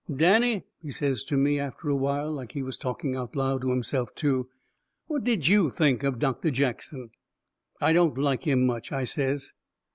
"Danny," he says to me, after a while, like he was talking out loud to himself too, "what did you think of Doctor Jackson?" "I don't like him much," I says.